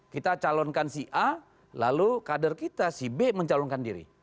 kita calonkan si a lalu kader kita si b mencalonkan diri